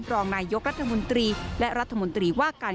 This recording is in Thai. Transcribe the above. รองนายยกรัฐมนตรีและรัฐมนตรีว่าการ